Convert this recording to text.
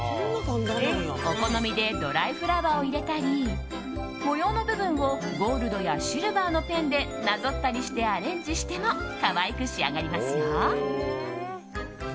お好みでドライフラワーを入れたり模様の部分をゴールドやシルバーのペンでなぞったりして、アレンジしても可愛く仕上がりますよ。